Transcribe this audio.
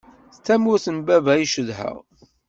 D tamurt n baba i cedheɣ.